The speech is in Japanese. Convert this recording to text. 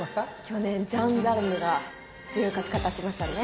去年ジャンダルムが強い勝ち方しましたね。